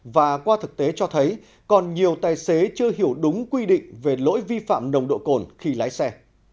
và qua thực tế cho thấy còn nhiều tài xế chưa hiểu đúng quy định về lỗi vi phạm nồng độ cồn khi lái xe